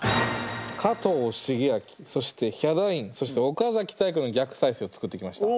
加藤シゲアキそしてヒャダインそして岡崎体育の逆再生を作ってきました。